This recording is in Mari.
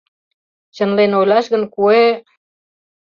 Чынлен ойлаш гын, куэ...